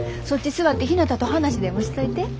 そっち座ってひなたと話でもしといて。